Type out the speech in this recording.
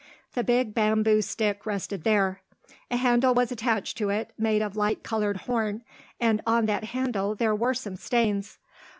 The big bamboo stick rested there. A handle was attached to it, made of light coloured horn, and on that handle there were some stains.